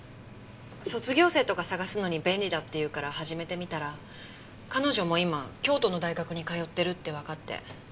卒業生とか探すのに便利だっていうから始めてみたら彼女も今京都の大学に通ってるってわかって。